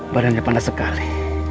badannya panas sekali